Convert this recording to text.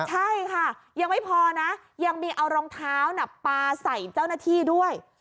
ใช่ค่ะยังไม่พอนะยังมีเอารองเท้าปลาใส่เจ้าหน้าที่ด้วย